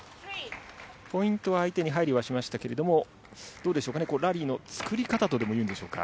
ポイントは相手に入りはしましたけれども、どうでしょうかね、ラリーの作り方とでもいうんでしょうか。